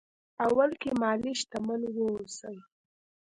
اول کې مالي شتمن واوسي.